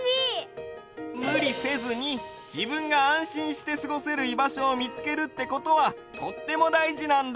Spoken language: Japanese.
むりせずにじぶんがあんしんしてすごせるいばしょをみつけるってことはとってもだいじなんだ。